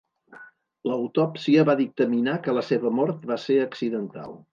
L'autòpsia va dictaminar que la seva mort va ser accidental.